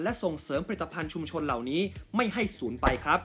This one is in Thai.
และส่งเสริมผลิตภัณฑ์ชุมชนเหล่านี้ไม่ให้ศูนย์ไปครับ